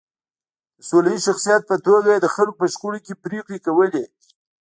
د سوله ییز شخصیت په توګه یې د خلکو په شخړو کې پرېکړې کولې.